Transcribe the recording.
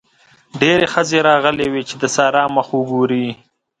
ډېرې ښځې راغلې وې چې د سارا مخ وګوري.